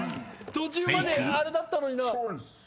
途中まであれだったのにな。